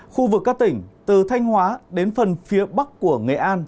khu vực các tỉnh từ thanh hóa đến phần phía bắc của nghệ an